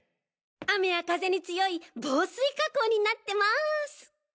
雨や風に強い防水加工になってます！